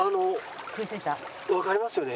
わかりますよね？